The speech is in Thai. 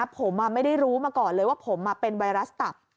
ผมไม่ได้รู้มาก่อนเลยว่าผมเป็นไวรัสตับ